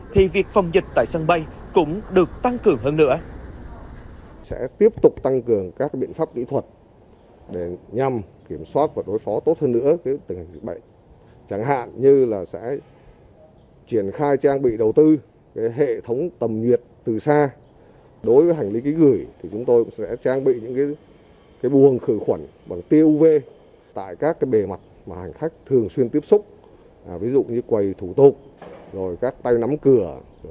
tại sân bay cũng được tăng cường hơn nữa